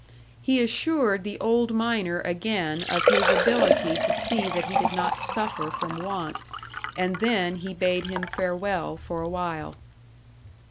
He assured the old miner again of his ability to see that he did not suffer from want, and then he bade him farewell for a while.